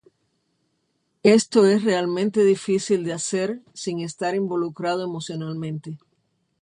Esto es realmente difícil de hacer sin estar involucrado emocionalmente.